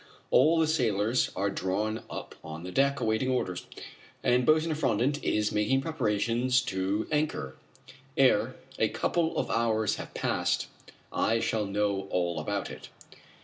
All the sailors are drawn up on deck, awaiting orders, and Boatswain Effrondat is making preparations to anchor. Ere a couple of hours have passed I shall know all about it.